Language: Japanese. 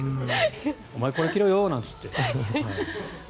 お前、これ着ろよなんて言って。